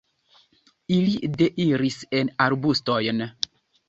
Ili deiris en arbustojn.